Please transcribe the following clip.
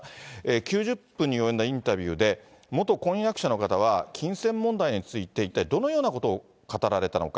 ９０分に及んだインタビューで、元婚約者の方は金銭問題について一体どのようなことを語られたのか。